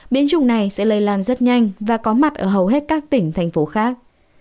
biến chủng này sẽ lây lan rất nhanh và có mặt ở hầu hết các tỉnh thành phố khác